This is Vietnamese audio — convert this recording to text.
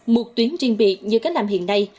một tuyến riêng biệt như các làm hiện nay